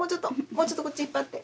もうちょっとこっち引っ張って。